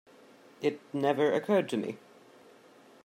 It never occurred to me.